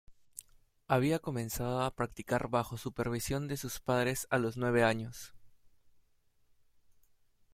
Había comenzado a practicar bajo supervisión de sus padres a los nueve años.